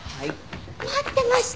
待ってました！